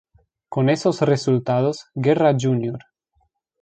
Con esos resultados, Guerra Jr.